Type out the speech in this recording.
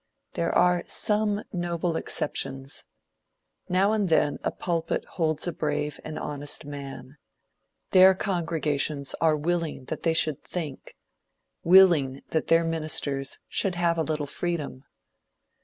There are some noble exceptions. Now and then a pulpit holds a brave and honest man. Their congregations are willing that they should think willing that their ministers should have a little freedom.